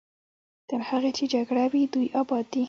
تر هغې چې جګړه وي دوی اباد دي.